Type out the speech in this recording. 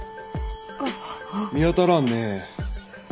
見当たらんね。